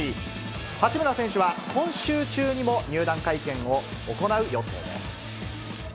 八村選手は今週中にも入団会見を行う予定です。